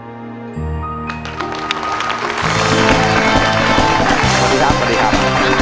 สวัสดีครับสวัสดีครับ